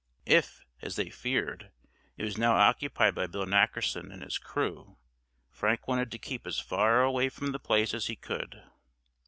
If, as they feared, it was now occupied by Bill Nackerson and his crew, Frank wanted to keep as far away from the place as he could.